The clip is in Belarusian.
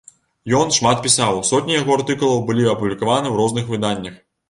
Ён шмат пісаў, сотні яго артыкулаў былі апублікаваны ў розных выданнях.